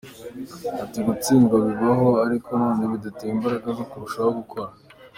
Ati “Gutsindwa bibaho ariko nanone biduteye imbaraga zo kurushaho gukora.